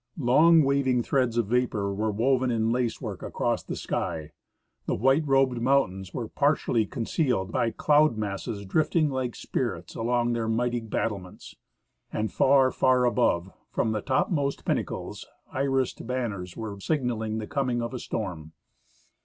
Long, waving threads of vapor were woven in lace work across the sky ; the white robed mountains were partially concealed by cloud masses drifting like spirits along their mighty battlements ; and far, far above, from the topmost pinnacles, irised banners were signaling the coming of a storm.